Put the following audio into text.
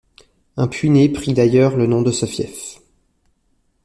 Un puiné pris d'ailleurs le nom de ce fief.